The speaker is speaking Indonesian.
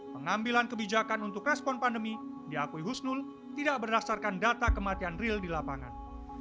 pengambilan kebijakan untuk respon pandemi diakui husnul tidak berdasarkan data kematian real di lapangan